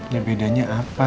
ya bedanya apa